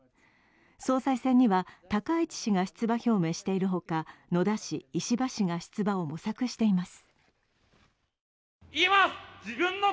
総裁選には高市氏が出馬表明しているほか野田氏、石破氏が出馬を模索しています。